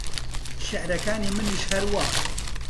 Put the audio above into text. شێعرەکانی منیش هەروا